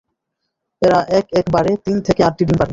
এরা এক এক বারে তিন থেকে আটটি ডিম পাড়ে।